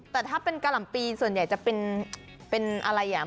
แต่ถ้าเป็นกะหล่ำปีส่วนใหญ่จะเป็นอะไรอ่ะ